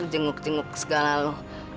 jenguk jenguk segala lu